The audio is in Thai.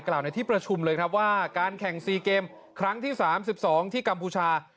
ในที่ประชุมเลยครับว่าการแข่ง๔เกมครั้งที่๓๒ที่กัมพูชา